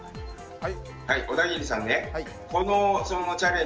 はい。